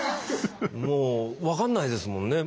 もう分かんないですもんね。